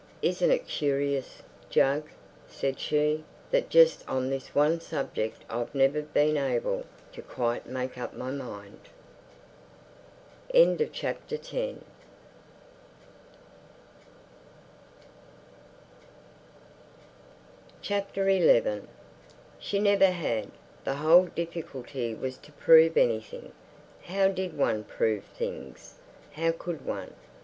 "Isn't it curious, Jug," said she, "that just on this one subject I've never been able to quite make up my mind?" XI She never had. The whole difficulty was to prove anything. How did one prove things, how could one?